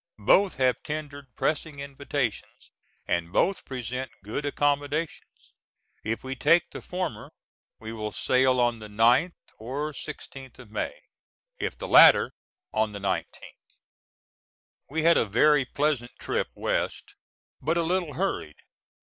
Both have tendered pressing invitations, and both present good accommodations. If we take the former we will sail on the 9th or 16th of May, if the latter on the 19th. We had a very pleasant trip West but a little hurried.